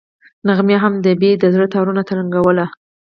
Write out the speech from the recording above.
نغمې هم د ببۍ د زړه تارونه ترنګول.